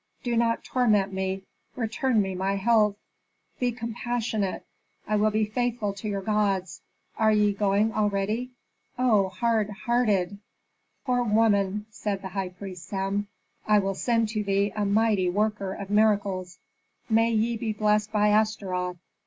Do not torment me; return me my health! Be compassionate! I will be faithful to your gods! Are ye going already? Oh, hard hearted!" "Poor woman," said the high priest Sem, "I will send to thee a mighty worker of miracles; he may " "May ye be blessed by Astaroth!